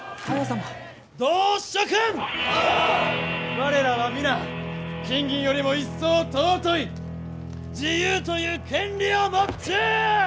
我らは皆金銀よりも一層尊い自由という権利を持っちゅう！